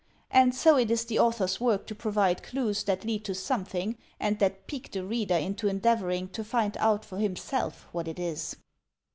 And so it is the author's work to provide clues that lead to something, and that pique the reader into endeavoring to find out for him self what it is.